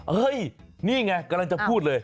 เฮ้ยนี่ไงกำลังจะพูดเลย